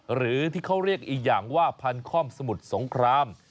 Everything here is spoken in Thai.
หรือที่เขาเรียกอีกอย่างว่าพันค่อมสมุทรสงคราม